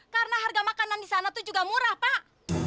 karena harga makanan di sana tuh juga murah pak